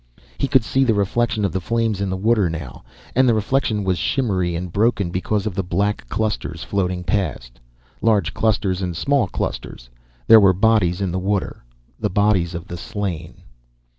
He could see the reflection of the flames in the water, now, and the reflection was shimmery and broken because of the black clusters floating past. Large clusters and small clusters. There were bodies in the water, the bodies of the slain.